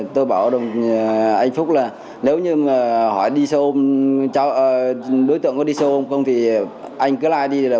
tôi bảo anh phúc là nếu như hỏi đối tượng có đi xe ôm không thì anh cứ like đi